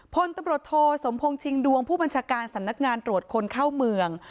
พลตำรวจโทสมพงษ์ชิงดวงผู้บัญชาการสำนักงานตรวจคนเข้าเมือง